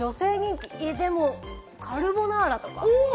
カルボナーラとか？